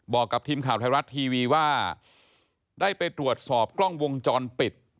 บอกกับทีมข่าวไทยรัฐทีวีว่าได้ไปตรวจสอบกล้องวงจรปิด